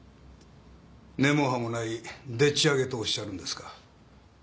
根も葉もないでっちあげとおっしゃるんですか？